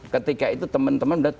ketika itu teman teman